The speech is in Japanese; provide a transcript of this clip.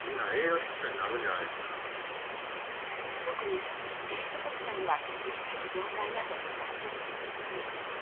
特に低所得者には厳しい状態だといいます。